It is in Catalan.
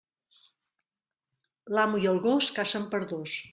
L'amo i el gos cacen per dos.